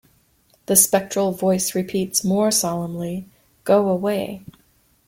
The spectral voice repeats more solemnly, "Go away!"